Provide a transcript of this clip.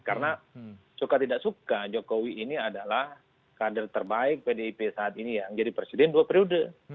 karena suka tidak suka jokowi ini adalah kader terbaik pdip saat ini yang jadi presiden dua periode